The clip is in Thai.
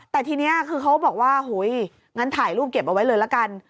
แต่ทีนี้คือเขาบอกว่างั้นถ่ายรูปเก็บเอาไว้เลยละกัน